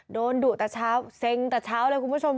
ดุแต่เช้าเซ็งแต่เช้าเลยคุณผู้ชม